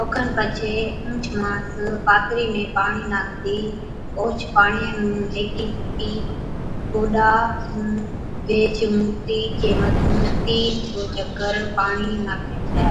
اوکن پڇي اُونھچ ماڻس پاترِي ۾ پاڻِي ناکتِي اوھچ پاڻِيا نُون ھيڪِي سِپِي (ڪوڏا) سُون ويھِچ مُورتِي چي مٿُون تِين سو چڪر پاڻِي ناکَي ڇَي